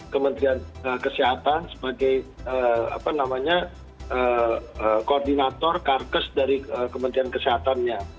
kementerian kesehatan sebagai koordinator karkes dari kementerian kesehatannya